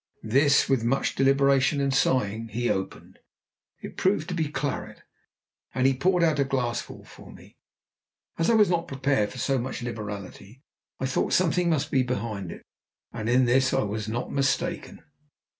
This, with much deliberation and sighing, he opened. It proved to be claret, and he poured out a glassful for me. As I was not prepared for so much liberality, I thought something must be behind it, and in this I was not mistaken.